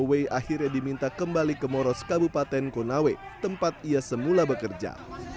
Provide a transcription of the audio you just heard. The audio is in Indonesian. w akhirnya diminta kembali ke moros kabupaten konawe tempat ia semula bekerja